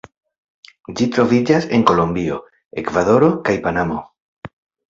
Ĝi troviĝas en Kolombio, Ekvadoro kaj Panamo.